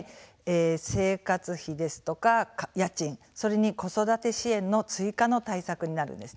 生活費ですとか家賃それに子育て支援の追加の対策になるんです。